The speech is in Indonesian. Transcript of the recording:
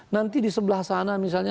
nanti di sebelah sana misalnya